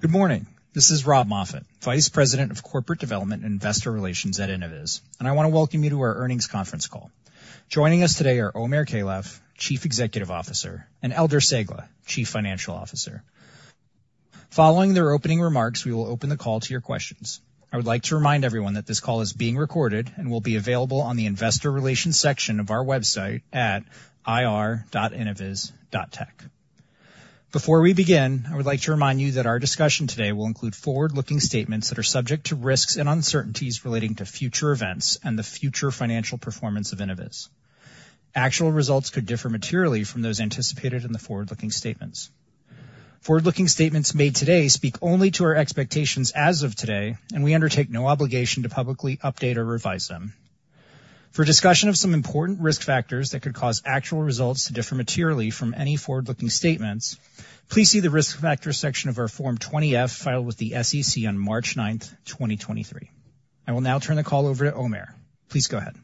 Good morning. This is Rob Moffatt, Vice President of Corporate Development and Investor Relations at Innoviz, and I want to welcome you to our earnings conference call. Joining us today are Omer Keilaf, Chief Executive Officer, and Eldar Cegla, Chief Financial Officer. Following their opening remarks, we will open the call to your questions. I would like to remind everyone that this call is being recorded and will be available on the Investor Relations section of our website at ir.innoviz.tech. Before we begin, I would like to remind you that our discussion today will include forward-looking statements that are subject to risks and uncertainties relating to future events and the future financial performance of Innoviz. Actual results could differ materially from those anticipated in the forward-looking statements. Forward-looking statements made today speak only to our expectations as of today, and we undertake no obligation to publicly update or revise them. For discussion of some important risk factors that could cause actual results to differ materially from any forward-looking statements, please see the Risk Factors section of our Form 20-F filed with the SEC on March 9th, 2023. I will now turn the call over to Omer. Please go ahead.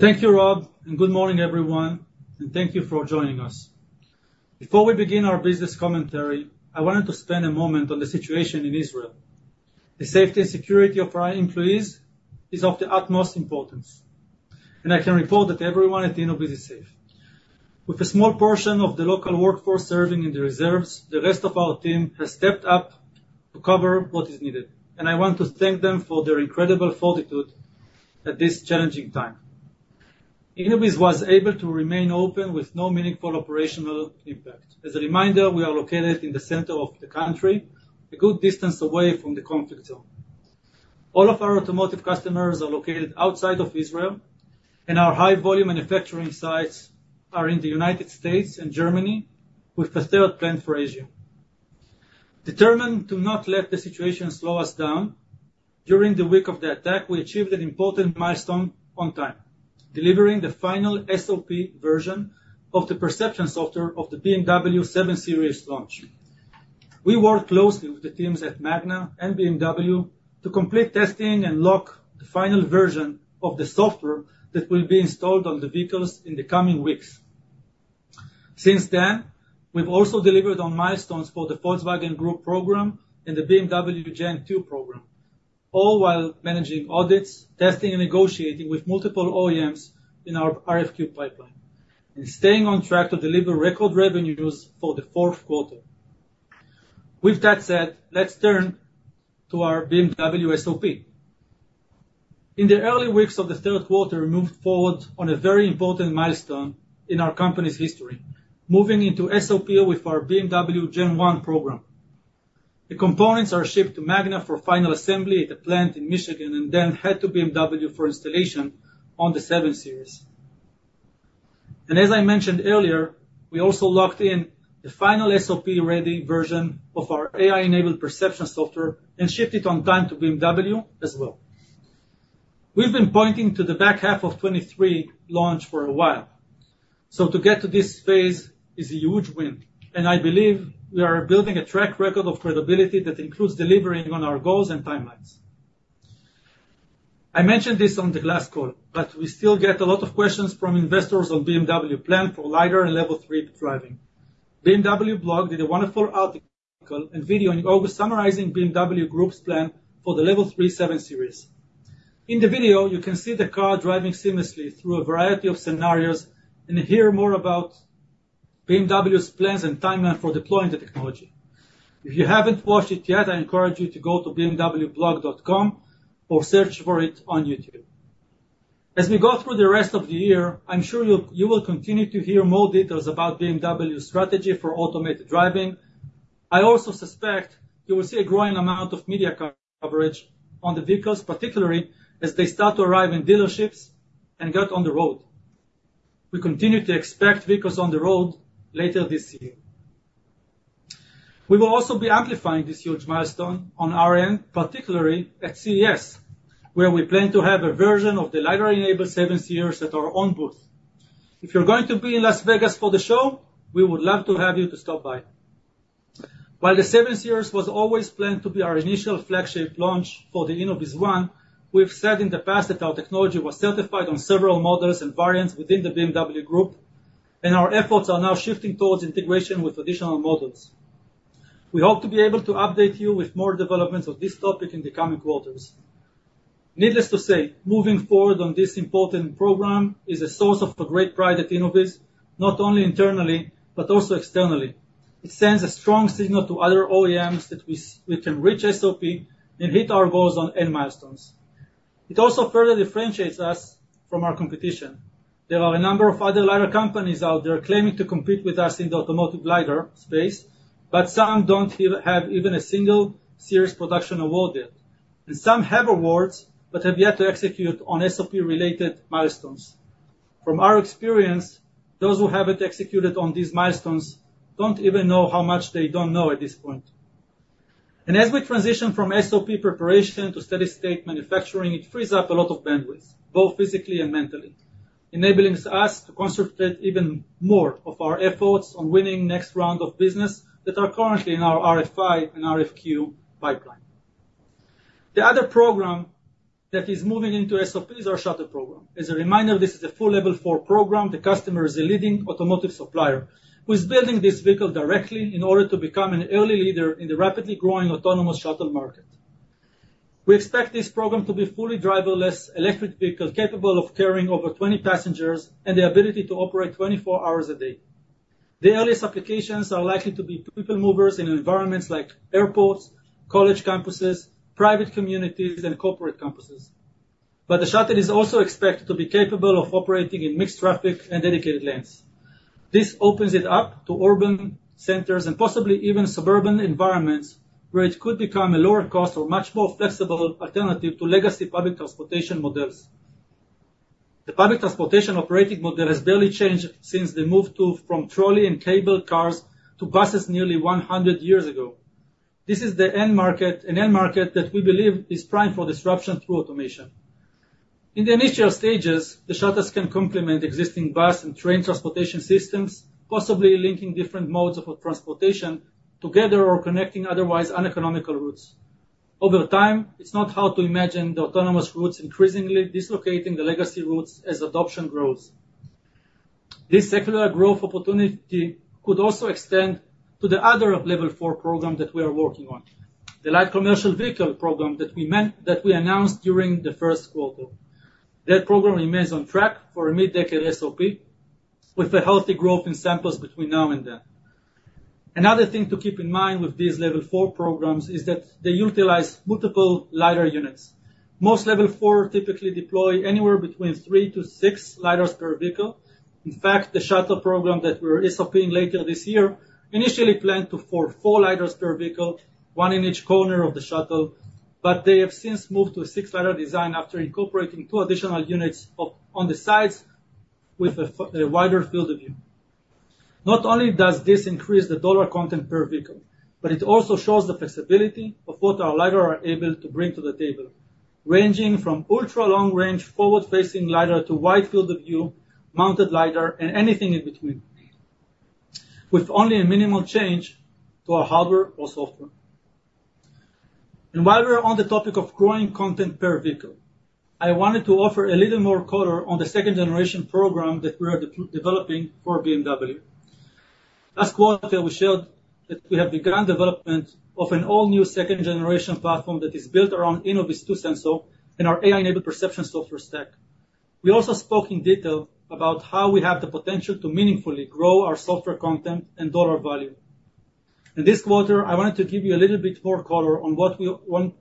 Thank you, Rob, and good morning, everyone, and thank you for joining us. Before we begin our business commentary, I wanted to spend a moment on the situation in Israel. The safety and security of our employees is of the utmost importance, and I can report that everyone at Innoviz is safe. With a small portion of the local workforce serving in the reserves, the rest of our team has stepped up to cover what is needed, and I want to thank them for their incredible fortitude at this challenging time. Innoviz was able to remain open with no meaningful operational impact. As a reminder, we are located in the center of the country, a good distance away from the conflict zone. All of our automotive customers are located outside of Israel, and our high-volume manufacturing sites are in the United States and Germany, with a third plant for Asia. Determined to not let the situation slow us down, during the week of the attack, we achieved an important milestone on time, delivering the final SOP version of the perception software of the BMW 7 Series launch. We worked closely with the teams at Magna and BMW to complete testing and lock the final version of the software that will be installed on the vehicles in the coming weeks. Since then, we've also delivered on milestones for the Volkswagen Group program and the BMW Gen 2 program, all while managing audits, testing, and negotiating with multiple OEMs in our RFQ pipeline, and staying on track to deliver record revenues for the fourth quarter. With that said, let's turn to our BMW SOP. In the early weeks of the third quarter, we moved forward on a very important milestone in our company's history, moving into SOP with our BMW Gen 1 program. The components are shipped to Magna for final assembly at the plant in Michigan, and then head to BMW for installation on the 7 Series. As I mentioned earlier, we also locked in the final SOP-ready version of our AI-enabled perception software and shipped it on time to BMW as well. We've been pointing to the back half of 2023 launch for a while, so to get to this phase is a huge win, and I believe we are building a track record of credibility that includes delivering on our goals and timelines. I mentioned this on the last call, but we still get a lot of questions from investors on BMW plan for LiDAR and Level 3 driving. BMW Blog did a wonderful article and video in August, summarizing BMW Group's plan for the Level 3 7 Series. In the video, you can see the car driving seamlessly through a variety of scenarios and hear more about BMW's plans and timeline for deploying the technology. If you haven't watched it yet, I encourage you to go to bmwblog.com or search for it on YouTube. As we go through the rest of the year, I'm sure you will continue to hear more details about BMW's strategy for automated driving. I also suspect you will see a growing amount of media coverage on the vehicles, particularly as they start to arrive in dealerships and get on the road. We continue to expect vehicles on the road later this year. We will also be amplifying this huge milestone on our end, particularly at CES, where we plan to have a version of the LiDAR-enabled 7 Series at our own booth. If you're going to be in Las Vegas for the show, we would love to have you to stop by. While the 7 Series was always planned to be our initial flagship launch for the InnovizOne, we've said in the past that our technology was certified on several models and variants within the BMW Group, and our efforts are now shifting towards integration with additional models. We hope to be able to update you with more developments on this topic in the coming quarters. Needless to say, moving forward on this important program is a source of great pride at Innoviz, not only internally, but also externally. It sends a strong signal to other OEMs that we can reach SOP and hit our goals on end milestones. It also further differentiates us from our competition. There are a number of other LiDAR companies out there claiming to compete with us in the automotive LiDAR space, but some don't even have a single series production award yet. Some have awards, but have yet to execute on SOP-related milestones. From our experience, those who haven't executed on these milestones don't even know how much they don't know at this point. As we transition from SOP preparation to steady state manufacturing, it frees up a lot of bandwidth, both physically and mentally, enabling us to concentrate even more of our efforts on winning next round of business that are currently in our RFI and RFQ pipeline. The other program that is moving into SOP is our shuttle program. As a reminder, this is a full Level 4 program. The customer is a leading automotive supplier who is building this vehicle directly in order to become an early leader in the rapidly growing autonomous shuttle market. We expect this program to be fully driverless electric vehicle capable of carrying over 20 passengers and the ability to operate 24 hours a day. The earliest applications are likely to be people movers in environments like airports, college campuses, private communities, and corporate campuses. But the shuttle is also expected to be capable of operating in mixed traffic and dedicated lanes. This opens it up to urban centers and possibly even suburban environments, where it could become a lower cost or much more flexible alternative to legacy public transportation models. The public transportation operating model has barely changed since the move from trolley and cable cars to buses nearly 100 years ago. This is the end market, an end market that we believe is primed for disruption through automation. In the initial stages, the shuttles can complement existing bus and train transportation systems, possibly linking different modes of transportation together or connecting otherwise uneconomical routes. Over time, it's not hard to imagine the autonomous routes increasingly dislocating the legacy routes as adoption grows. This secular growth opportunity could also extend to the other Level 4 program that we are working on, the light commercial vehicle program that we announced during the first quarter. That program remains on track for a mid-decade SOP with a healthy growth in samples between now and then. Another thing to keep in mind with these Level 4 programs is that they utilize multiple LiDAR units. Most Level 4 typically deploy anywhere between three to six LiDARs per vehicle. In fact, the shuttle program that we're SOP-ing later this year initially planned to for four LiDARs per vehicle, one in each corner of the shuttle, but they have since moved to a six LiDAR design after incorporating two additional units up on the sides with a wider field of view. Not only does this increase the dollar content per vehicle, but it also shows the flexibility of what our LiDAR are able to bring to the table, ranging from ultra-long range, forward-facing LiDAR to wide field of view, mounted LiDAR, and anything in between, with only a minimal change to our hardware or software. While we're on the topic of growing content per vehicle, I wanted to offer a little more color on the second generation program that we are developing for BMW. Last quarter, we shared that we have begun development of an all-new second generation platform that is built around InnovizTwo sensor and our AI-enabled perception software stack. We also spoke in detail about how we have the potential to meaningfully grow our software content and dollar value. In this quarter, I wanted to give you a little bit more color on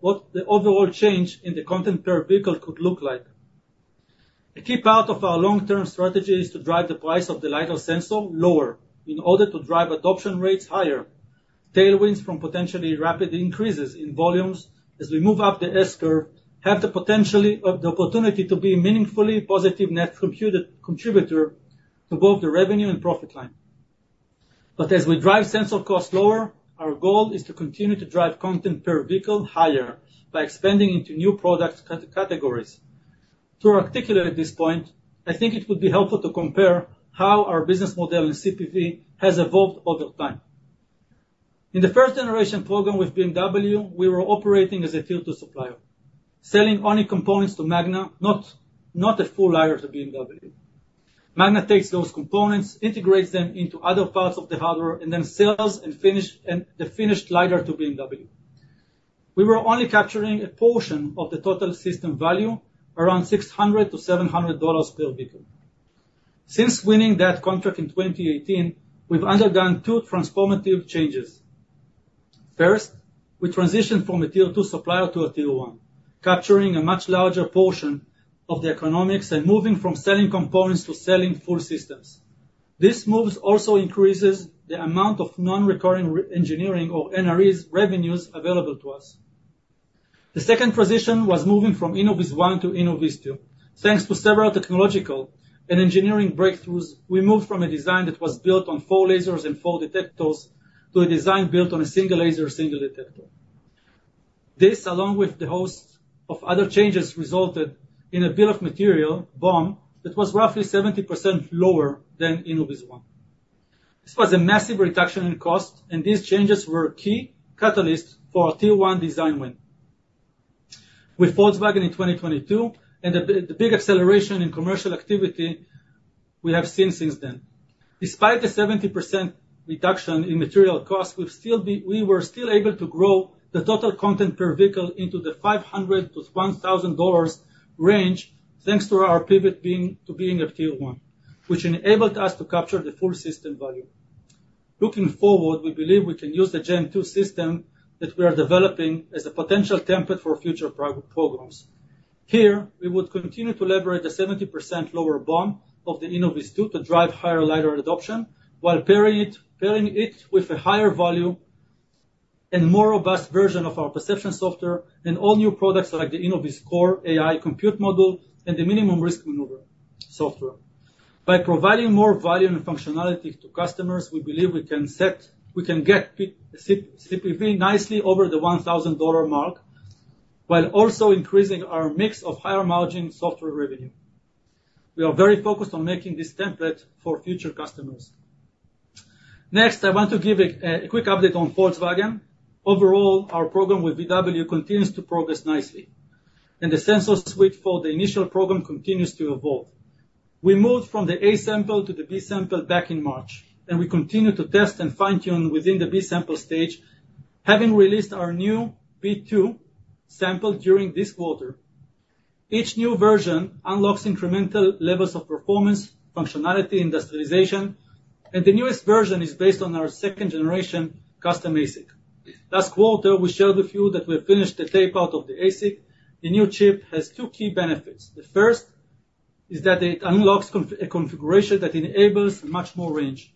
what the overall change in the content per vehicle could look like. A key part of our long-term strategy is to drive the price of the LiDAR sensor lower in order to drive adoption rates higher. Tailwinds from potentially rapid increases in volumes as we move up the S-curve have the potentially the opportunity to be a meaningfully positive net contributor to both the revenue and profit line. But as we drive sensor costs lower, our goal is to continue to drive content per vehicle higher by expanding into new product categories. To articulate this point, I think it would be helpful to compare how our business model in CPV has evolved over time. In the first generation program with BMW, we were operating as a Tier 2 supplier, selling only components to Magna, not the full LiDARs to BMW. Magna takes those components, integrates them into other parts of the hardware, and then sells the finished LiDAR to BMW. We were only capturing a portion of the total system value, around $600-$700 per vehicle. Since winning that contract in 2018, we've undergone two transformative changes. First, we transitioned from a Tier 2 supplier to a Tier 1, capturing a much larger portion of the economics and moving from selling components to selling full systems. This move also increases the amount of non-recurring engineering or NRE revenues available to us. The second transition was moving from InnovizOne to InnovizTwo. Thanks to several technological and engineering breakthroughs, we moved from a design that was built on four lasers and four detectors, to a design built on a single laser, single detector. This, along with the host of other changes, resulted in a bill of material, BOM, that was roughly 70% lower than InnovizOne. This was a massive reduction in cost, and these changes were a key catalyst for our tier one design win with Volkswagen in 2022, and the the big acceleration in commercial activity we have seen since then. Despite the 70% reduction in material costs, we were still able to grow the total content per vehicle into the $500-$1,000 range, thanks to our pivot being, to being a tier one, which enabled us to capture the full system value. Looking forward, we believe we can use the Gen 2 system that we are developing as a potential template for future programs. Here, we would continue to leverage the 70% lower BOM of the InnovizTwo to drive higher LiDAR adoption, while pairing it, pairing it with a higher volume and more robust version of our perception software and all new products like the InnovizCore AI Compute Module and the minimum risk maneuver software. By providing more value and functionality to customers, we believe we can set—we can get CPV nicely over the $1,000 mark, while also increasing our mix of higher-margin software revenue. We are very focused on making this template for future customers. Next, I want to give a quick update on Volkswagen. Overall, our program with VW continues to progress nicely, and the sensor suite for the initial program continues to evolve. We moved from the A sample to the B sample back in March, and we continue to test and fine-tune within the B sample stage, having released our new B2 sample during this quarter. Each new version unlocks incremental levels of performance, functionality, industrialization, and the newest version is based on our second-generation custom ASIC. Last quarter, we shared with you that we have finished the tape-out of the ASIC. The new chip has two key benefits. The first is that it unlocks a configuration that enables much more range,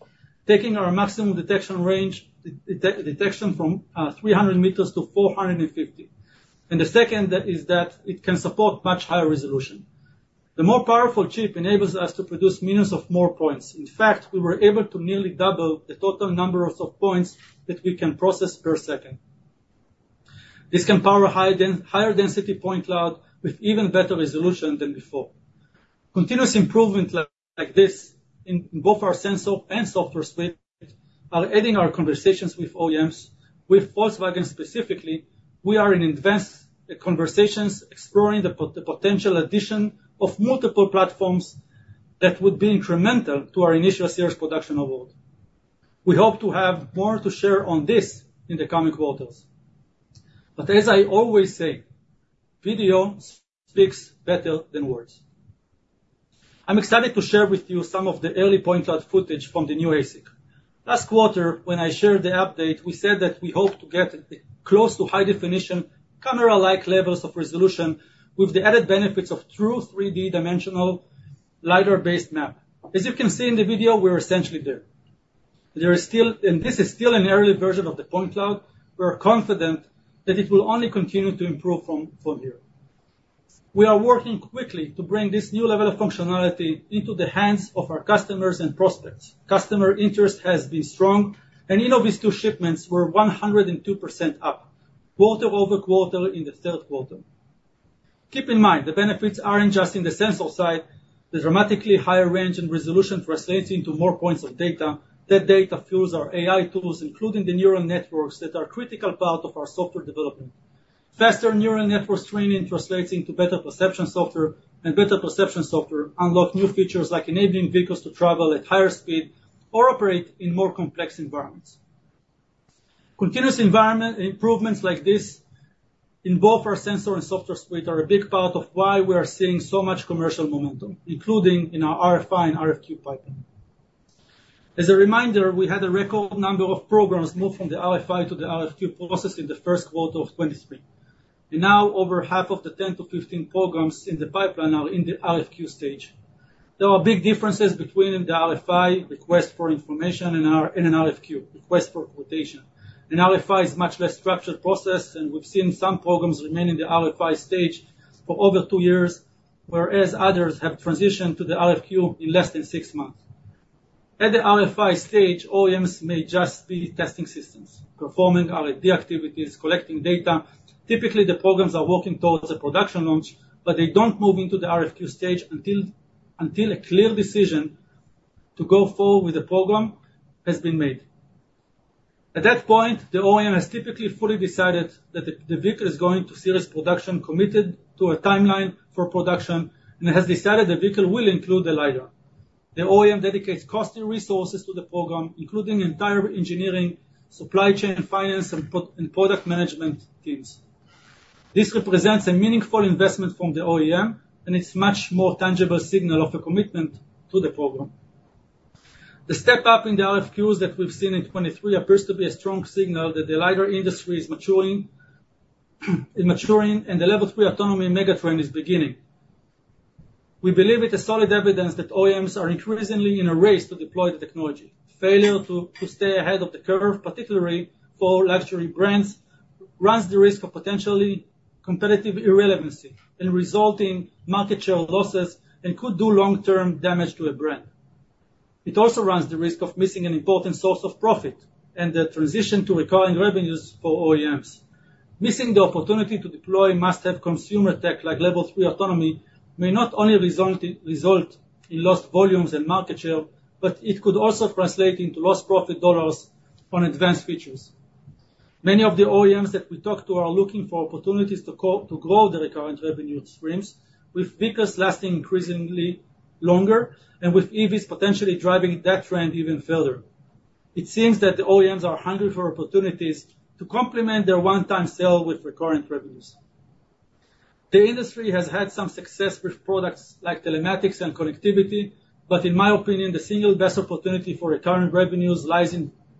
taking our maximum detection range, detection from 300 meters to 450. And the second, that is that it can support much higher resolution. The more powerful chip enables us to produce millions of more points. In fact, we were able to nearly double the total number of points that we can process per second. This can power higher density point cloud with even better resolution than before. Continuous improvement like this in both our sensor and software suite are adding our conversations with OEMs. With Volkswagen specifically, we are in advanced conversations exploring the potential addition of multiple platforms that would be incremental to our initial series production award. We hope to have more to share on this in the coming quarters. But as I always say, video speaks better than words. I'm excited to share with you some of the early point cloud footage from the new ASIC. Last quarter, when I shared the update, we said that we hope to get close to high definition, camera-like levels of resolution with the added benefits of true 3D dimensional LiDAR-based map. As you can see in the video, we're essentially there. There is still, and this is still an early version of the Point Cloud. We are confident that it will only continue to improve from here. We are working quickly to bring this new level of functionality into the hands of our customers and prospects. Customer interest has been strong, and InnovizTwo shipments were 102% up quarter-over-quarter in the third quarter. Keep in mind, the benefits aren't just in the sensor side. The dramatically higher range and resolution translates into more points of data. That data fuels our AI tools, including the neural networks that are critical part of our software development. Faster neural network training translates into better perception software, and better perception software unlock new features like enabling vehicles to travel at higher speed or operate in more complex environments. Continuous environment improvements like this in both our sensor and software suite are a big part of why we are seeing so much commercial momentum, including in our RFI and RFQ pipeline. As a reminder, we had a record number of programs move from the RFI to the RFQ process in the first quarter of 2023. And now over half of the 10-15 programs in the pipeline are in the RFQ stage. There are big differences between the RFI, request for information, and an RFQ, request for quotation. An RFI is a much less structured process, and we've seen some programs remain in the RFI stage for over two years, whereas others have transitioned to the RFQ in less than six months. At the RFI stage, OEMs may just be testing systems, performing R&D activities, collecting data. Typically, the programs are working towards a production launch, but they don't move into the RFQ stage until a clear decision to go forward with the program has been made. At that point, the OEM has typically fully decided that the vehicle is going to serious production, committed to a timeline for production, and has decided the vehicle will include the LiDAR. The OEM dedicates cost and resources to the program, including entire engineering, supply chain, finance, and procurement and product management teams. This represents a meaningful investment from the OEM, and it's much more tangible signal of a commitment to the program. The step up in the RFQs that we've seen in 2023 appears to be a strong signal that the LiDAR industry is maturing, and the Level 3 Autonomy megatrend is beginning. We believe it is solid evidence that OEMs are increasingly in a race to deploy the technology. Failure to stay ahead of the curve, particularly for luxury brands, runs the risk of potentially competitive irrelevancy and resulting market share losses and could do long-term damage to a brand. It also runs the risk of missing an important source of profit and the transition to recurring revenues for OEMs. Missing the opportunity to deploy must-have consumer tech like Level 3 Autonomy may not only result in lost volumes and market share, but it could also translate into lost profit dollars on advanced features. Many of the OEMs that we talk to are looking for opportunities to grow their current revenue streams, with vehicles lasting increasingly longer and with EVs potentially driving that trend even further. It seems that the OEMs are hungry for opportunities to complement their one-time sale with recurring revenues. The industry has had some success with products like telematics and connectivity, but in my opinion, the single best opportunity for recurring revenues lies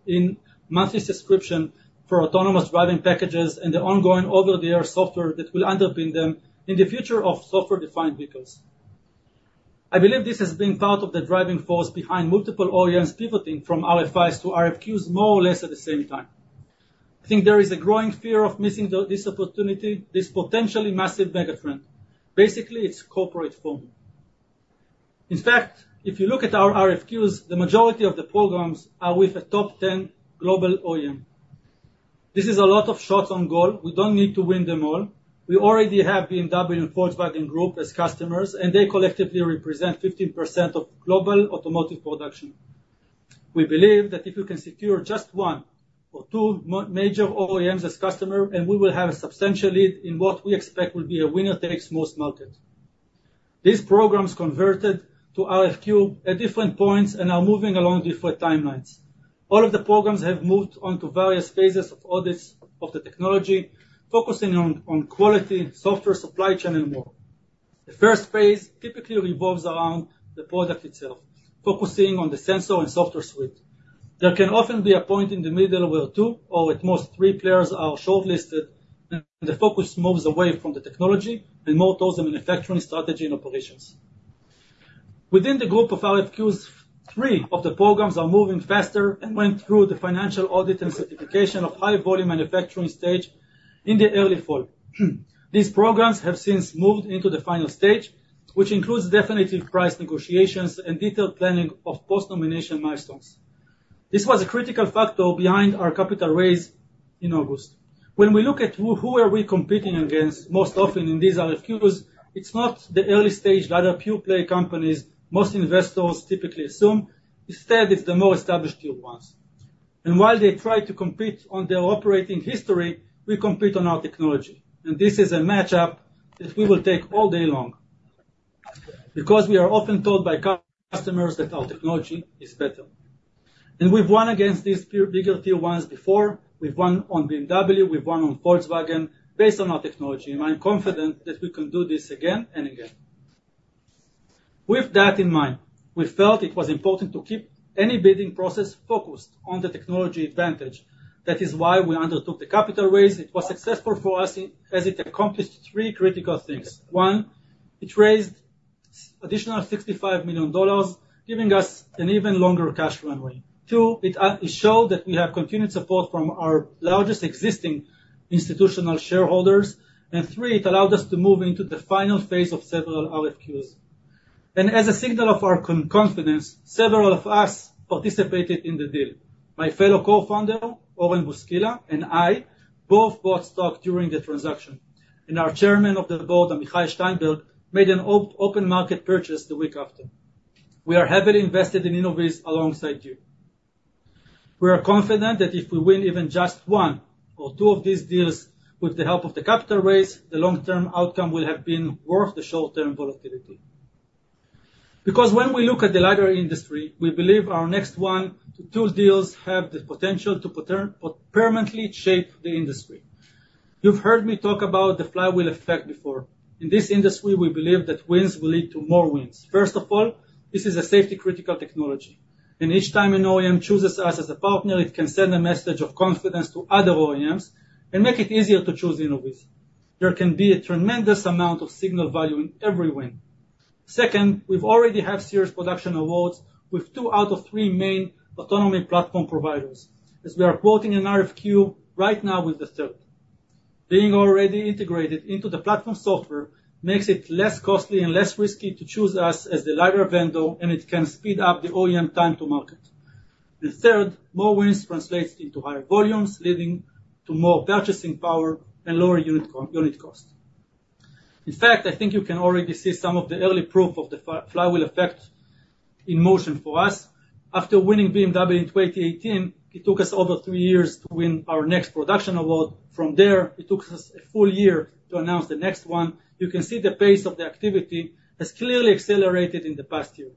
in monthly subscription for autonomous driving packages and the ongoing over-the-air software that will underpin them in the future of software-defined vehicles. I believe this has been part of the driving force behind multiple OEMs pivoting from RFIs to RFQs more or less at the same time. I think there is a growing fear of missing the, this opportunity, this potentially massive mega trend. Basically, it's corporate FOMO. In fact, if you look at our RFQs, the majority of the programs are with a top 10 global OEM. This is a lot of shots on goal. We don't need to win them all. We already have BMW and Volkswagen Group as customers, and they collectively represent 15% of global automotive production. We believe that if we can secure just one or two major OEMs as customers, and we will have a substantial lead in what we expect will be a winner takes most market. These programs converted to RFQ at different points and are moving along different timelines. All of the programs have moved on to various phases of audits of the technology, focusing on quality, software, supply chain, and more. The first phase typically revolves around the product itself, focusing on the sensor and software suite. There can often be a point in the middle where two or at most three players are shortlisted, and the focus moves away from the technology and more towards the manufacturing strategy and operations. Within the group of RFQs, three of the programs are moving faster and went through the financial audit and certification of high volume manufacturing stage in the early fall. These programs have since moved into the final stage, which includes definitive price negotiations and detailed planning of post-nomination milestones. This was a critical factor behind our capital raise in August. When we look at who are we competing against most often in these RFQs, it's not the early stage, LiDAR pure play companies most investors typically assume. Instead, it's the more established tier ones. While they try to compete on their operating history, we compete on our technology, and this is a matchup that we will take all day long. Because we are often told by customers that our technology is better. And we've won against these bigger tier ones before. We've won on BMW, we've won on Volkswagen based on our technology, and I'm confident that we can do this again and again. With that in mind, we felt it was important to keep any bidding process focused on the technology advantage. That is why we undertook the capital raise. It was successful for us as it accomplished three critical things. One, it raised additional $65 million, giving us an even longer cash runway. Two, it showed that we have continued support from our largest existing institutional shareholders. Three, it allowed us to move into the final phase of several RFQs. As a signal of our confidence, several of us participated in the deal. My fellow co-founder, Oren Buskila, and I both bought stock during the transaction, and our chairman of the board, Amichai Steimberg, made an open market purchase the week after. We are heavily invested in Innoviz alongside you. We are confident that if we win even just one or two of these deals with the help of the capital raise, the long-term outcome will have been worth the short-term volatility. Because when we look at the LiDAR industry, we believe our next one to two deals have the potential to permanently shape the industry. You've heard me talk about the flywheel effect before. In this industry, we believe that wins will lead to more wins. First of all, this is a safety-critical technology, and each time an OEM chooses us as a partner, it can send a message of confidence to other OEMs and make it easier to choose Innoviz. There can be a tremendous amount of signal value in every win. Second, we already have serious production awards with two out of three main autonomy platform providers, as we are quoting an RFQ right now with the third. Being already integrated into the platform software makes it less costly and less risky to choose us as the LiDAR vendor, and it can speed up the OEM time to market. The third, more wins translates into higher volumes, leading to more purchasing power and lower unit cost. In fact, I think you can already see some of the early proof of the flywheel effect in motion for us. After winning BMW in 2018, it took us over three years to win our next production award. From there, it took us a full year to announce the next one. You can see the pace of the activity has clearly accelerated in the past year.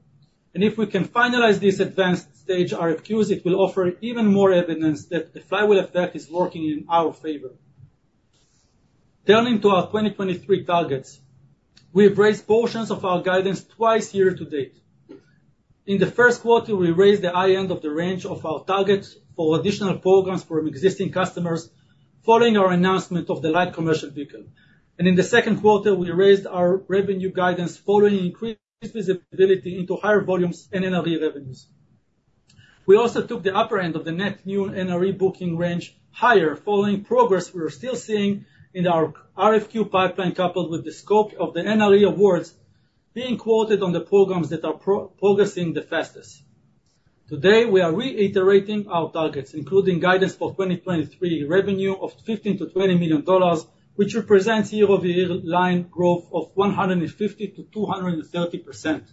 And if we can finalize these advanced stage RFQs, it will offer even more evidence that the flywheel effect is working in our favor. Turning to our 2023 targets, we have raised portions of our guidance twice year-to-date. In the first quarter, we raised the high end of the range of our targets for additional programs from existing customers, following our announcement of the light commercial vehicle. In the second quarter, we raised our revenue guidance, following increased visibility into higher volumes and NRE revenues. We also took the upper end of the net new NRE booking range higher, following progress we are still seeing in our RFQ pipeline, coupled with the scope of the NRE awards being quoted on the programs that are progressing the fastest. Today, we are reiterating our targets, including guidance for 2023 revenue of $15 million-$20 million, which represents year-over-year line growth of 150%-230%.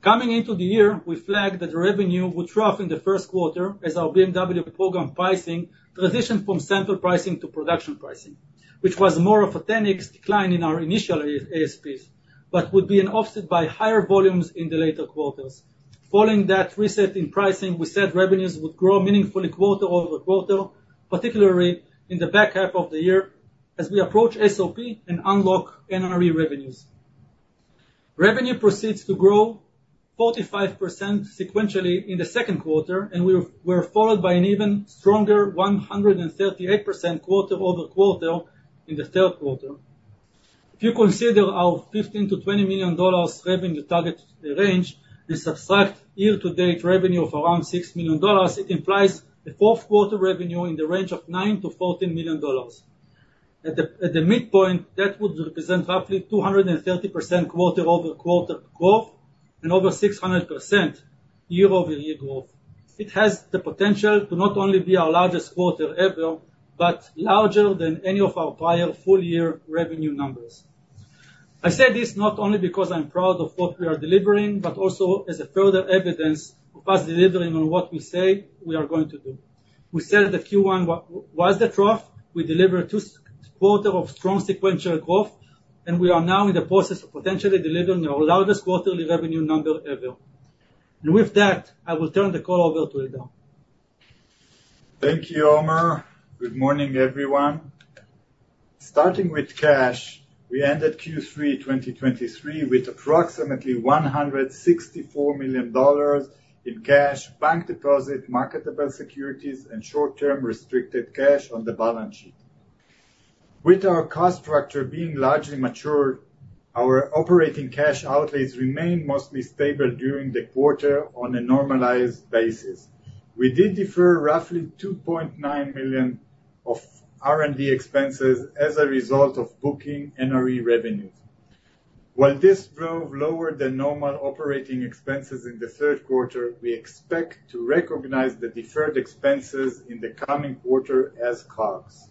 Coming into the year, we flagged that the revenue would drop in the first quarter as our BMW program pricing transitioned from central pricing to production pricing, which was more of a 10x decline in our initial ASPs, but would be offset by higher volumes in the later quarters. Following that reset in pricing, we said revenues would grow meaningfully quarter-over-quarter, particularly in the back half of the year as we approach SOP and unlock NRE revenues. Revenue proceeds to grow 45% sequentially in the second quarter, and it was followed by an even stronger 138% quarter-over-quarter in the third quarter. If you consider our $15 million-$20 million revenue target range and subtract year-to-date revenue of around $6 million, it implies a fourth quarter revenue in the range of $9 million-$14 million. At the midpoint, that would represent roughly 230% quarter-over-quarter growth, and over 600% year-over-year growth. It has the potential to not only be our largest quarter ever, but larger than any of our prior full year revenue numbers. I say this not only because I'm proud of what we are delivering, but also as a further evidence of us delivering on what we say we are going to do. We said that Q1 was the trough. We delivered two quarters of strong sequential growth, and we are now in the process of potentially delivering our largest quarterly revenue number ever. With that, I will turn the call over to Eldar. Thank you, Omer. Good morning, everyone. Starting with cash, we ended Q3 2023 with approximately $164 million in cash, bank deposit, marketable securities, and short-term restricted cash on the balance sheet. With our cost structure being largely mature, our operating cash outlays remained mostly stable during the quarter on a normalized basis. We did defer roughly $2.9 million of R&D expenses as a result of booking NRE revenues. While this drove lower than normal operating expenses in the third quarter, we expect to recognize the deferred expenses in the coming quarter as COGS.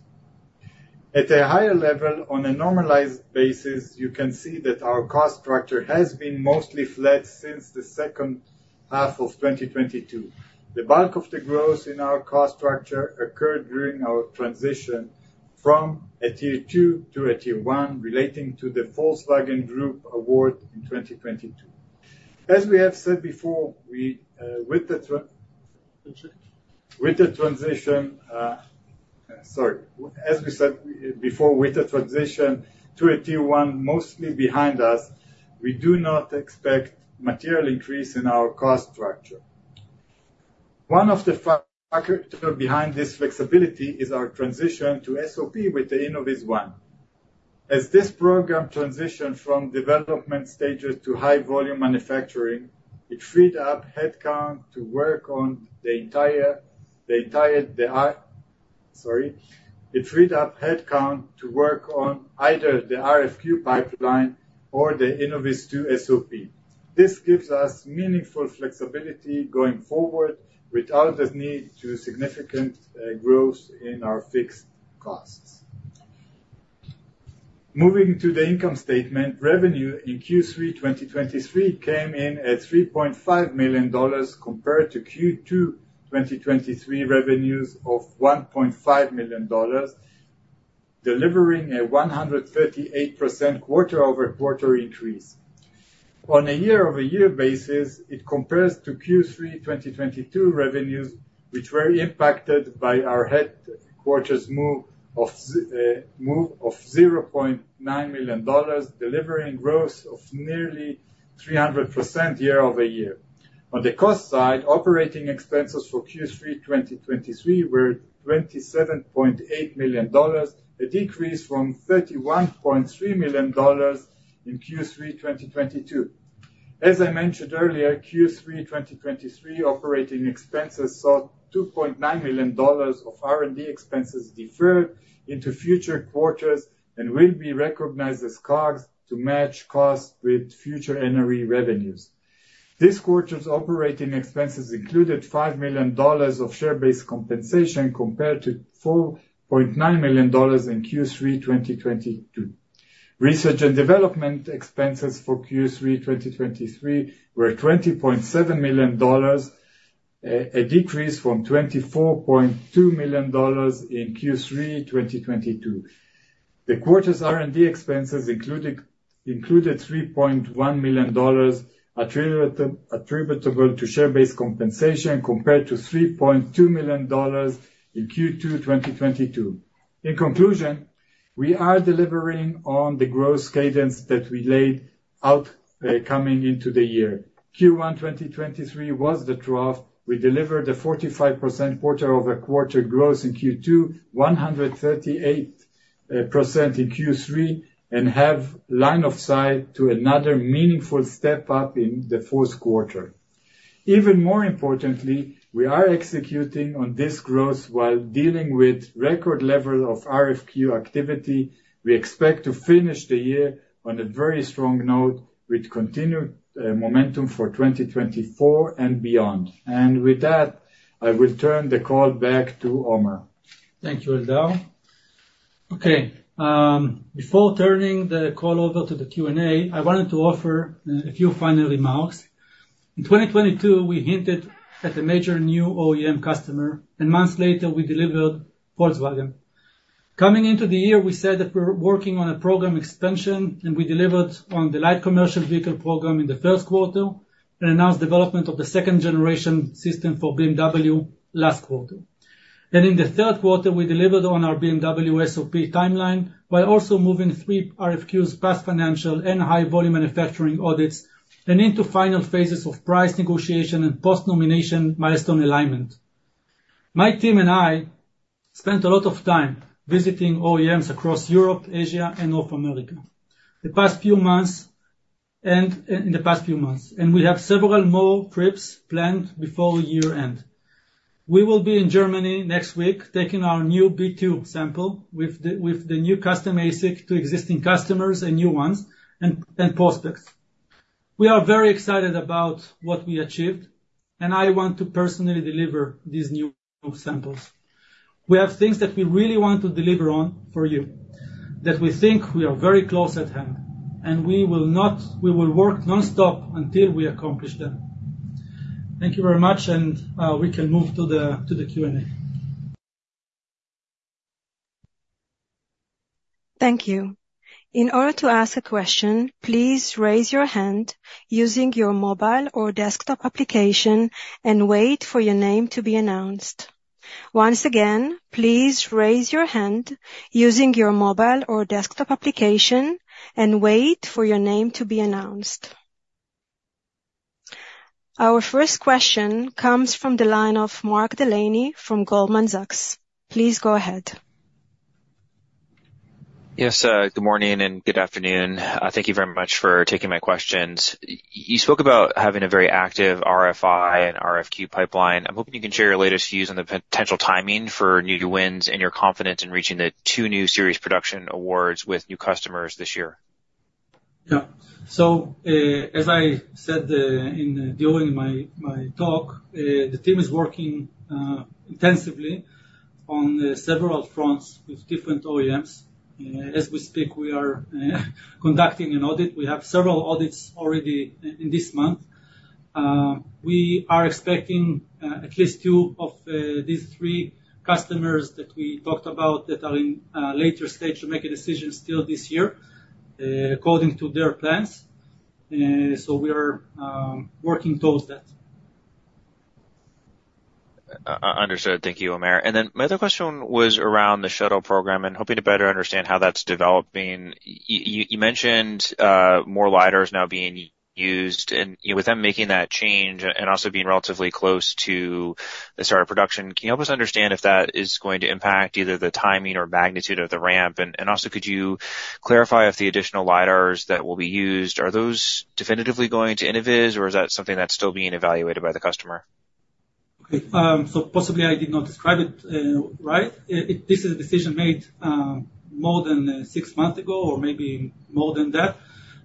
At a higher level, on a normalized basis, you can see that our cost structure has been mostly flat since the second half of 2022. The bulk of the growth in our cost structure occurred during our transition from a Tier 2 to a Tier 1, relating to the Volkswagen Group award in 2022. As we have said before, with the transition to a Tier 1 mostly behind us, we do not expect material increase in our cost structure. One of the factor behind this flexibility is our transition to SOP with the InnovizOne. As this program transitioned from development stages to high volume manufacturing, it freed up headcount to work on either the RFQ pipeline or the InnovizTwo SOP. This gives us meaningful flexibility going forward without the need to significant growth in our fixed costs. Moving to the income statement. Revenue in Q3 2023 came in at $3.5 million, compared to Q2 2023 revenues of $1.5 million, delivering a 138% quarter-over-quarter increase. On a year-over-year basis, it compares to Q3 2022 revenues, which were impacted by our headquarters move of $0.9 million, delivering growth of nearly 300% year-over-year. On the cost side, operating expenses for Q3 2023 were $27.8 million, a decrease from $31.3 million in Q3 2022. As I mentioned earlier, Q3 2023 operating expenses saw $2.9 million of R&D expenses deferred into future quarters and will be recognized as COGS to match costs with future NRE revenues. This quarter's operating expenses included $5 million of share-based compensation, compared to $4.9 million in Q3 2022. Research and development expenses for Q3 2023 were $20.7 million, a decrease from $24.2 million in Q3 2022. The quarter's R&D expenses included $3.1 million attributable to share-based compensation, compared to $3.2 million in Q2 2022. In conclusion, we are delivering on the growth cadence that we laid out coming into the year. Q1 2023 was the trough. We delivered a 45% quarter-over-quarter growth in Q2, 138% in Q3, and have line of sight to another meaningful step up in the fourth quarter. Even more importantly, we are executing on this growth while dealing with record level of RFQ activity. We expect to finish the year on a very strong note, with continued momentum for 2024 and beyond. With that, I will turn the call back to Omer. Thank you, Eldar. Okay, before turning the call over to the Q&A, I wanted to offer a few final remarks. In 2022, we hinted at a major new OEM customer, and months later, we delivered Volkswagen. Coming into the year, we said that we're working on a program expansion, and we delivered on the light commercial vehicle program in the first quarter, and announced development of the second generation system for BMW last quarter. Then in the third quarter, we delivered on our BMW SOP timeline, while also moving three RFQs past financial and high volume manufacturing audits, and into final phases of price negotiation and post-nomination milestone alignment. My team and I spent a lot of time visiting OEMs across Europe, Asia, and North America. In the past few months, we have several more trips planned before year-end. We will be in Germany next week, taking our new B2 sample with the new custom ASIC to existing customers and new ones, and prospects. We are very excited about what we achieved, and I want to personally deliver these new samples. We have things that we really want to deliver on for you, that we think we are very close at hand, and we will not—we will work nonstop until we accomplish them. Thank you very much, and we can move to the Q&A. Thank you. In order to ask a question, please raise your hand using your mobile or desktop application and wait for your name to be announced. Once again, please raise your hand using your mobile or desktop application and wait for your name to be announced. Our first question comes from the line of Mark Delaney from Goldman Sachs. Please go ahead. Yes, good morning and good afternoon. Thank you very much for taking my questions. You spoke about having a very active RFI and RFQ pipeline. I'm hoping you can share your latest views on the potential timing for new wins and your confidence in reaching the two new series production awards with new customers this year? Yeah. So, as I said, during my talk, the team is working intensively on several fronts with different OEMs. As we speak, we are conducting an audit. We have several audits already in this month. We are expecting at least two of these three customers that we talked about that are in later stage to make a decision still this year, according to their plans. So we are working towards that. Understood. Thank you, Amir. And then my other question was around the shuttle program, and hoping to better understand how that's developing. You mentioned more LiDARs now being used, and, you know, with them making that change and also being relatively close to the start of production, can you help us understand if that is going to impact either the timing or magnitude of the ramp? And also, could you clarify if the additional LiDARs that will be used are those definitively going to Innoviz, or is that something that's still being evaluated by the customer? Okay. So possibly I did not describe it right. This is a decision made more than six months ago or maybe more than that.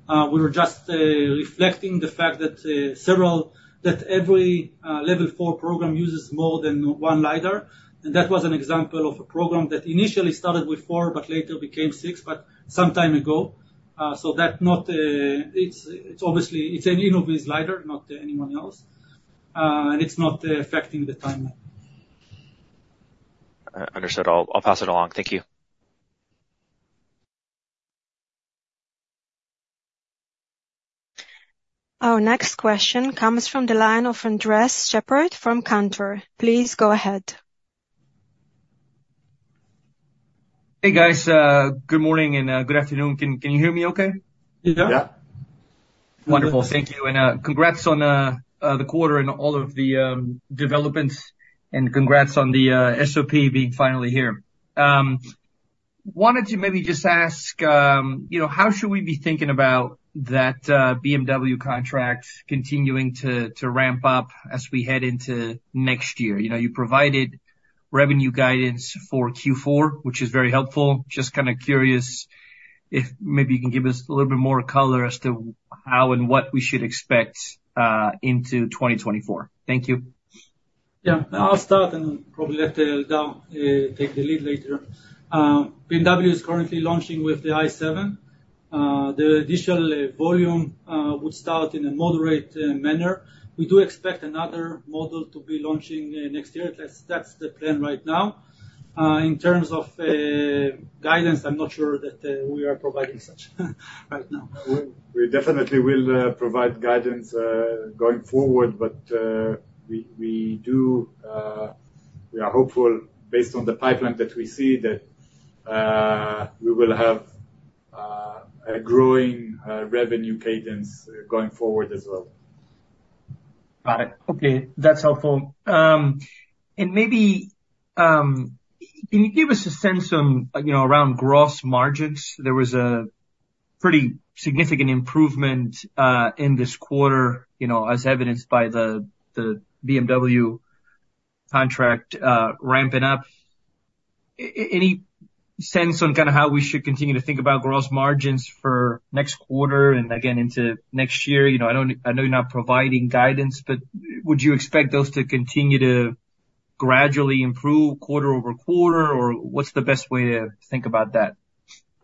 We were just reflecting the fact that every level four program uses more than one LiDAR, and that was an example of a program that initially started with four, but later became six, but some time ago. So that not, it's obviously, it's an Innoviz LiDAR, not anyone else, and it's not affecting the timeline. Understood. I'll pass it along. Thank you. Our next question comes from the line of Andres Sheppard from Cantor. Please go ahead. Hey, guys, good morning and good afternoon. Can you hear me okay? Yeah. Yeah. Wonderful. Thank you. And congrats on the quarter and all of the developments, and congrats on the SOP being finally here. Wanted to maybe just ask, you know, how should we be thinking about that BMW contract continuing to ramp up as we head into next year? You know, you provided revenue guidance for Q4, which is very helpful. Just kind of curious if maybe you can give us a little bit more color as to how and what we should expect into 2024. Thank you. Yeah. I'll start and probably let Eldar take the lead later. BMW is currently launching with the i7. The initial volume would start in a moderate manner. We do expect another model to be launching next year. That's, that's the plan right now. In terms of guidance, I'm not sure that we are providing such right now. We definitely will provide guidance going forward, but we are hopeful, based on the pipeline that we see, that we will have a growing revenue cadence going forward as well. Got it. Okay, that's helpful. And maybe can you give us a sense on, you know, around gross margins? There was a pretty significant improvement in this quarter, you know, as evidenced by the BMW contract ramping up. Any sense on kind of how we should continue to think about gross margins for next quarter and again into next year? You know, I don't, I know you're not providing guidance, but would you expect those to continue to gradually improve quarter-over-quarter, or what's the best way to think about that?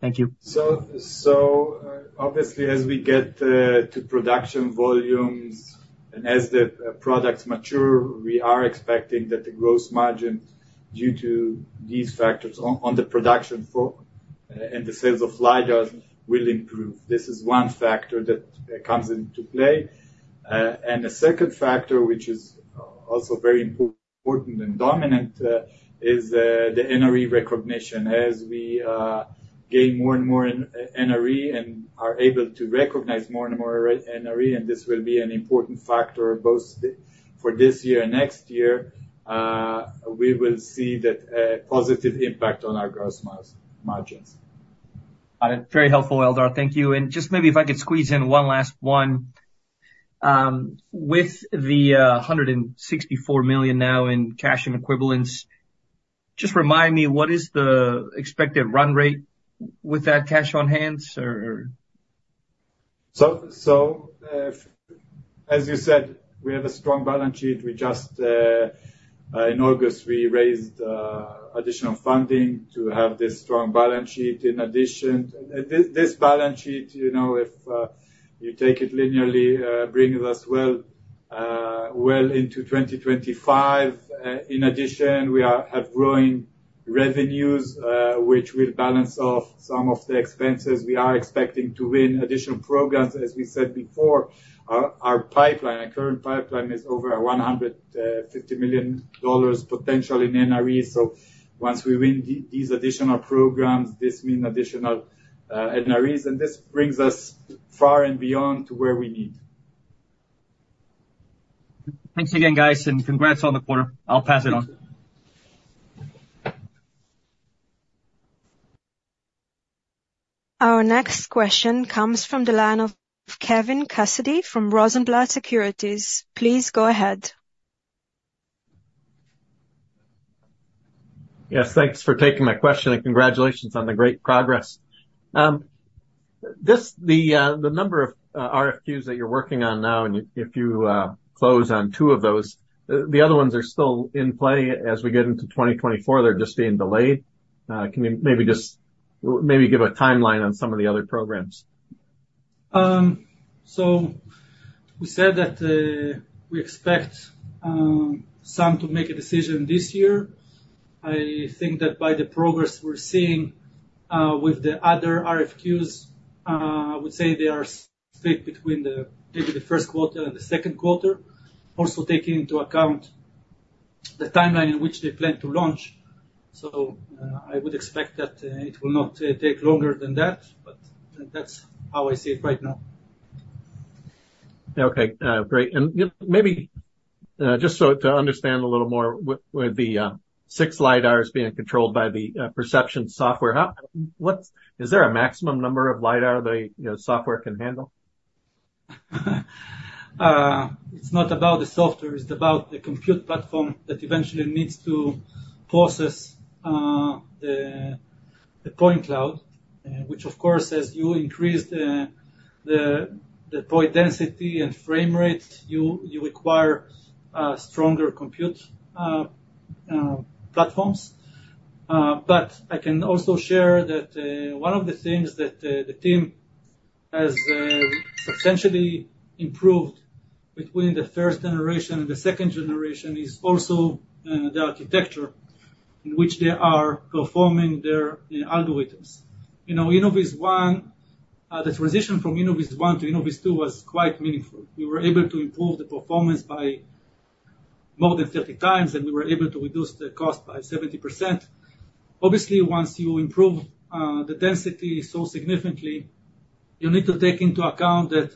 Thank you. So, obviously, as we get to production volumes and as the products mature, we are expecting that the gross margin due to these factors on the production floor and the sales of LiDARs will improve. This is one factor that comes into play. And the second factor, which is also very important and dominant, is the NRE recognition. As we gain more and more NRE and are able to recognize more and more NRE, and this will be an important factor, both the-... for this year and next year, we will see that positive impact on our gross margins. Very helpful, Eldar. Thank you. Just maybe if I could squeeze in one last one. With the $164 million now in cash and equivalents, just remind me, what is the expected run rate with that cash on hand or? So, as you said, we have a strong balance sheet. We just, in August, we raised additional funding to have this strong balance sheet. In addition, this balance sheet, you know, if you take it linearly, brings us well into 2025. In addition, we have growing revenues, which will balance off some of the expenses. We are expecting to win additional programs. As we said before, our pipeline, our current pipeline is over $150 million potential in NRE. So once we win these additional programs, this mean additional NREs, and this brings us far and beyond to where we need. Thanks again, guys, and congrats on the quarter. I'll pass it on. Our next question comes from the line of Kevin Cassidy from Rosenblatt Securities. Please go ahead. Yes, thanks for taking my question, and congratulations on the great progress. This, the number of RFQs that you're working on now, and if you close on two of those, the other ones are still in play as we get into 2024, they're just being delayed? Can you maybe just, maybe give a timeline on some of the other programs. So we said that we expect some to make a decision this year. I think that by the progress we're seeing with the other RFQs, I would say they are split between the, maybe the first quarter and the second quarter. Also, taking into account the timeline in which they plan to launch. So, I would expect that it will not take longer than that, but that's how I see it right now. Okay, great. And maybe just so to understand a little more, with the six LiDARs being controlled by the perception software, how, what— Is there a maximum number of LiDAR the, you know, software can handle? It's not about the software, it's about the compute platform that eventually needs to process the point cloud, which of course, as you increase the point density and frame rate, you require stronger compute platforms. But I can also share that one of the things that the team has substantially improved between the first generation and the second generation is also the architecture in which they are performing their algorithms. You know, InnovizOne. The transition from InnovizOne to InnovizTwo was quite meaningful. We were able to improve the performance by more than 30 times, and we were able to reduce the cost by 70%. Obviously, once you improve the density so significantly, you need to take into account that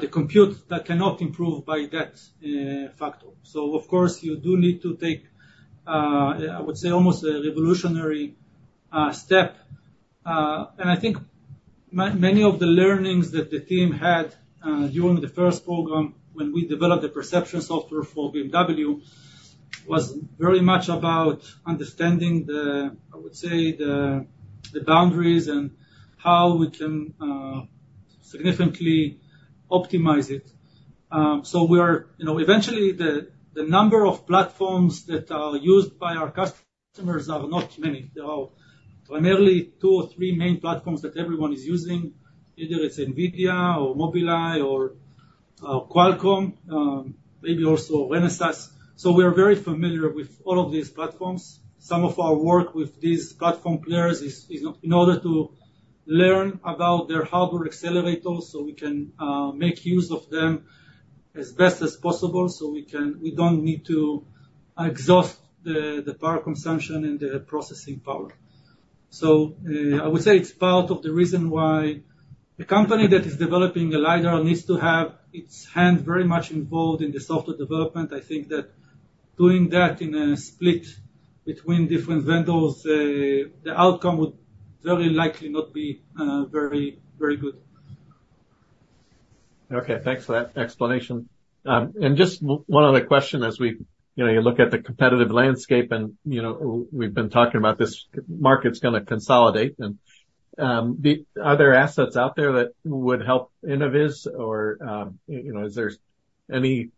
the compute that cannot improve by that factor. So of course, you do need to take, I would say, almost a revolutionary step. And I think many of the learnings that the team had during the first program, when we developed the perception software for BMW, was very much about understanding the, I would say, boundaries and how we can significantly optimize it. So we are, you know, eventually the number of platforms that are used by our customers are not many. There are primarily two or three main platforms that everyone is using. Either it's NVIDIA or Mobileye or Qualcomm, maybe also Renesas. So we are very familiar with all of these platforms. Some of our work with these platform players is in order to learn about their hardware accelerators, so we can make use of them as best as possible, so we can—we don't need to exhaust the power consumption and the processing power. So, I would say it's part of the reason why a company that is developing a LiDAR needs to have its hand very much involved in the software development. I think that doing that in a split between different vendors, the outcome would very likely not be very, very good. Okay, thanks for that explanation. And just one other question as we, you know, you look at the competitive landscape and, you know, we've been talking about this market's gonna consolidate. And are there assets out there that would help Innoviz or, you know, is there any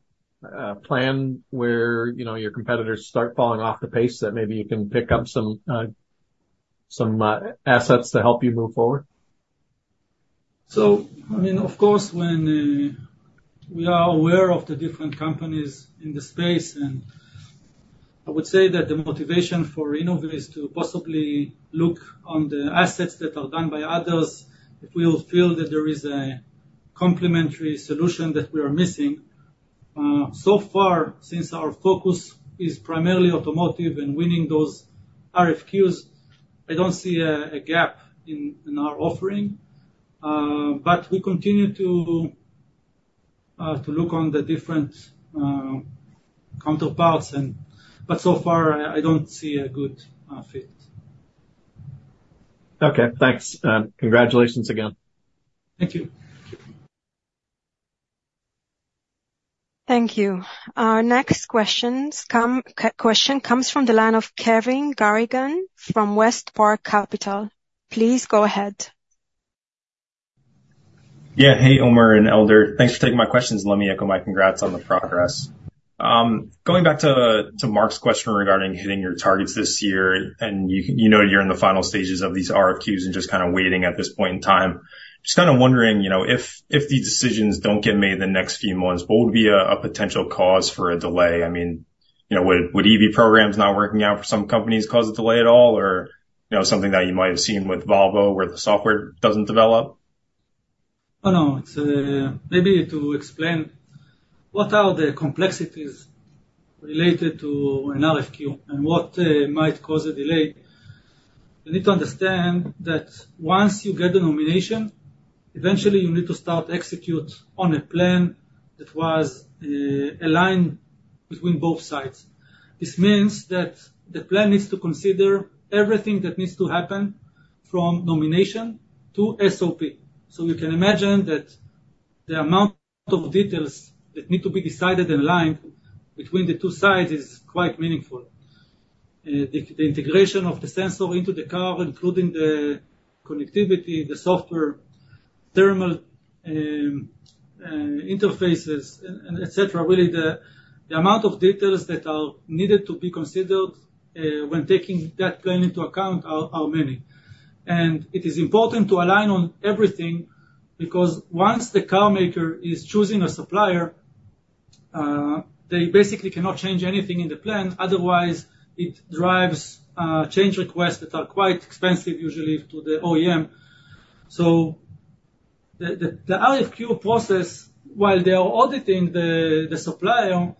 plan where, you know, your competitors start falling off the pace, that maybe you can pick up some assets to help you move forward? So, I mean, of course, when we are aware of the different companies in the space, and I would say that the motivation for Innoviz to possibly look on the assets that are done by others, if we will feel that there is a complementary solution that we are missing. So far, since our focus is primarily automotive and winning those RFQs, I don't see a gap in our offering. But we continue to look on the different counterparts, but so far, I don't see a good fit. Okay, thanks. Congratulations again. Thank you. Thank you. Our next questions come, question comes from the line of Kevin Garrigan from WestPark Capital. Please go ahead. Yeah. Hey, Omer and Eldar. Thanks for taking my questions. Let me echo my congrats on the progress. Going back to Mark's question regarding hitting your targets this year, and you know, you're in the final stages of these RFQs and just kinda waiting at this point in time. Just kinda wondering, you know, if these decisions don't get made in the next few months, what would be a potential cause for a delay? I mean, you know, would EV programs not working out for some companies cause a delay at all? Or, you know, something that you might have seen with Volvo, where the software doesn't develop? Oh, no. It's maybe to explain what are the complexities related to an RFQ and what might cause a delay. You need to understand that once you get the nomination, eventually you need to start execute on a plan that was aligned between both sides. This means that the plan needs to consider everything that needs to happen from nomination to SOP. So you can imagine that the amount of details that need to be decided in line between the two sides is quite meaningful. The integration of the sensor into the car, including the connectivity, the software, thermal, interfaces, and et cetera. Really, the amount of details that are needed to be considered when taking that plan into account are many. It is important to align on everything, because once the car maker is choosing a supplier, they basically cannot change anything in the plan. Otherwise, it drives change requests that are quite expensive, usually to the OEM. So the RFQ process, while they are auditing the supplier,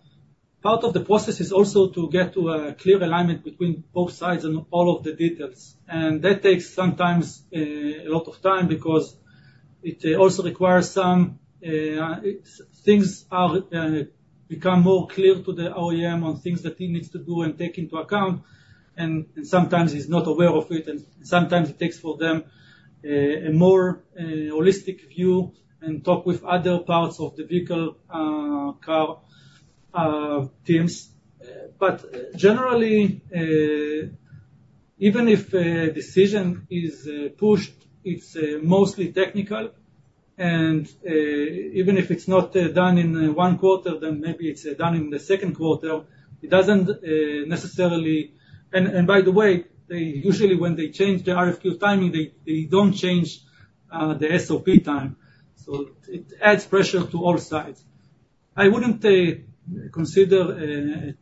part of the process is also to get to a clear alignment between both sides and all of the details, and that takes sometimes a lot of time because it also requires some things become more clear to the OEM on things that he needs to do and take into account, and sometimes he's not aware of it, and sometimes it takes for them a more holistic view and talk with other parts of the vehicle, car teams. Generally, even if a decision is pushed, it's mostly technical, and even if it's not done in one quarter, then maybe it's done in the second quarter. It doesn't necessarily... By the way, they usually, when they change the RFQ timing, they don't change the SOP time, so it adds pressure to all sides. I wouldn't consider a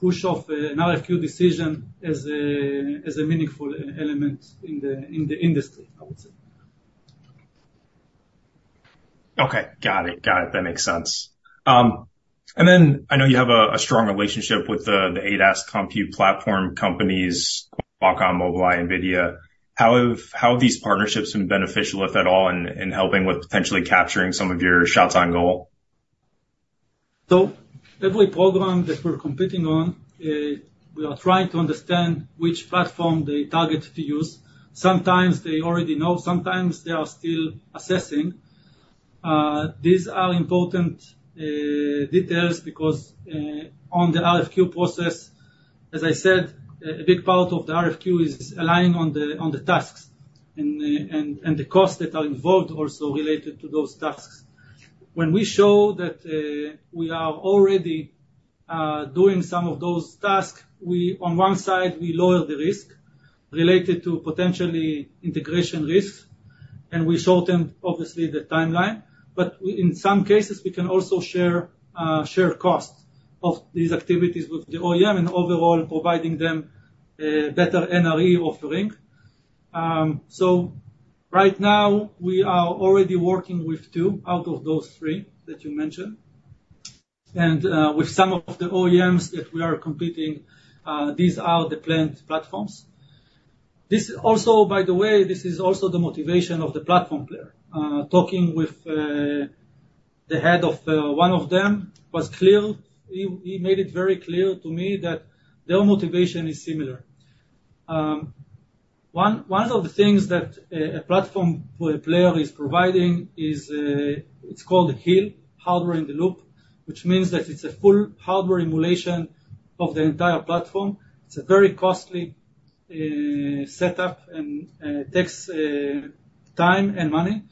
push off an RFQ decision as a meaningful element in the industry, I would say. Okay. Got it. Got it. That makes sense. And then, I know you have a, a strong relationship with the, the ADAS compute platform companies, Qualcomm, Mobileye, NVIDIA. How have, how have these partnerships been beneficial, if at all, in, in helping with potentially capturing some of your shots on goal? So every program that we're competing on, we are trying to understand which platform they target to use. Sometimes they already know, sometimes they are still assessing. These are important details because, on the RFQ process, as I said, a big part of the RFQ is aligning on the tasks and the costs that are involved also related to those tasks. When we show that we are already doing some of those tasks, on one side, we lower the risk related to potentially integration risks, and we shorten, obviously, the timeline, but we, in some cases, we can also share costs of these activities with the OEM and overall providing them better NRE offering. So right now, we are already working with two out of those three that you mentioned. With some of the OEMs that we are competing, these are the planned platforms. This also, by the way, this is also the motivation of the platform player. Talking with the head of one of them was clear. He made it very clear to me that their motivation is similar. One of the things that a platform player is providing is it's called HIL, Hardware in the Loop, which means that it's a full hardware emulation of the entire platform. It's a very costly setup and takes time and money,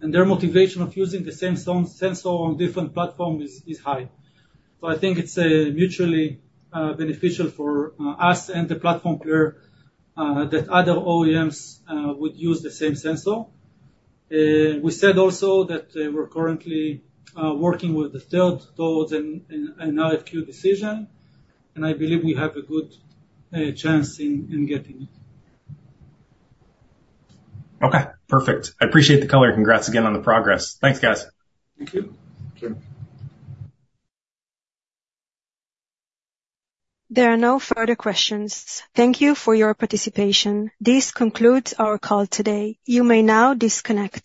and their motivation of using the same zone sensor on different platform is high. So I think it's mutually beneficial for us and the platform player that other OEMs would use the same sensor. We said also that we're currently working with the third towards an RFQ decision, and I believe we have a good chance in getting it. Okay, perfect. I appreciate the color. Congrats again on the progress. Thanks, guys. Thank you. Thank you. There are no further questions. Thank you for your participation. This concludes our call today. You may now disconnect.